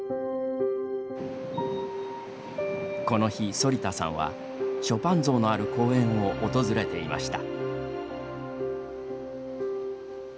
この日、反田さんはショパン像のある公園を訪れていました。